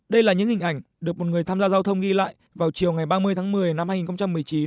đây là những hình ảnh được một người tham gia giao thông ghi lại vào chiều ngày ba mươi tháng một mươi năm hai nghìn một mươi chín